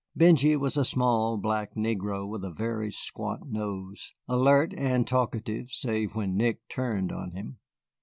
Benjy was a small, black negro with a very squat nose, alert and talkative save when Nick turned on him.